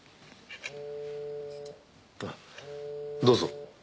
どうぞ。